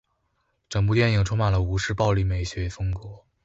整部电影充满了吴氏暴力美学风格。